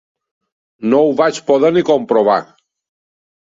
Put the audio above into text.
No ho vaig poder ni comprovar.